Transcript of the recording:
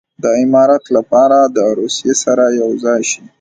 د امارت لپاره دې د روسیې سره یو ځای شي.